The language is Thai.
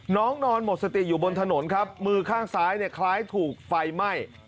น้องนอนหมดสติอยู่บนถนนครับมือข้างซ้ายเนี่ยคล้ายถูกไฟไหม้